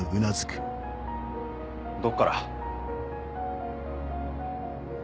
どっから？